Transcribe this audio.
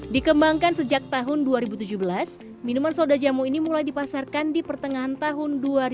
dikembangkan sejak tahun dua ribu tujuh belas minuman soda jamu ini mulai dipasarkan di pertengahan tahun dua ribu dua